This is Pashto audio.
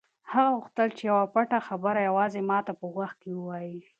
هغه غوښتل چې یوه پټه خبره یوازې ما ته په غوږ کې ووایي.